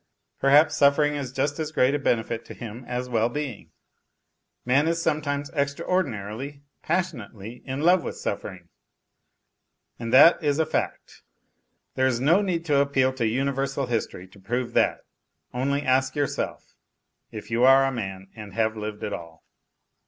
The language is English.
Perhaps suffering is just as great a benefit to him as well being ? Man is sometimes extra ordinarily, passionately, in love with suffering, and that is a fact. There is no need to appeal to universal history to prove that; only ask yourself, if you are a man and have lived at all.